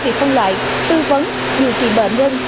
việc phân loại tư vấn điều trị bệnh nhân